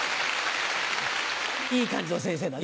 いい感じの先生だね。